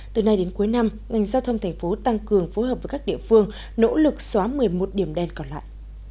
từ nay đến cuối năm ngành giao thông thành phố tăng cường phối hợp với các địa phương nỗ lực xóa một mươi một điểm đen còn lại